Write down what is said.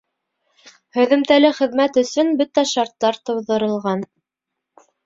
Һөҙөмтәле хеҙмәт өсөн бөтә шарттар тыуҙырылған.